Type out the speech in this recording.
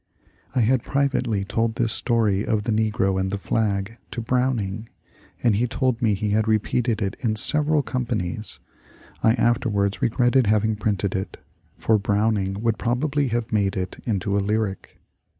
I had privately told this story of the negro and the flag to Browning, and he told me he had repeated it in several com panies. I afterwards regretted having printed it, for Brown ing would probably have made it into a lyric.